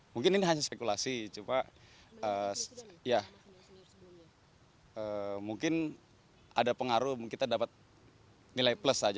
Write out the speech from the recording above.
mungkin ini hanya spekulasi cuma ya mungkin ada pengaruh kita dapat nilai plus saja